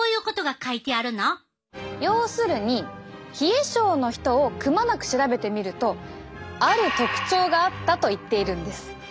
要するに冷え症の人をくまなく調べてみるとある特徴があったと言っているんです。